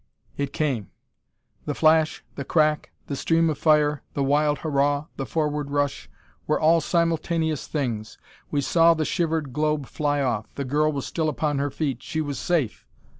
It came. The flash, the crack, the stream of fire, the wild hurrah, the forward rush, were all simultaneous things. We saw the shivered globe fly off. The girl was still upon her feet; she was safe!